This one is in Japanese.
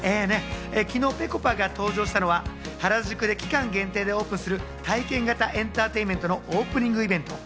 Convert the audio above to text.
昨日ぺこぱが登場したのは原宿で期間限定でオープンする、体験型エンターテインメントのオープニングイベント。